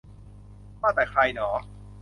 ว่าแต่ใครหนอ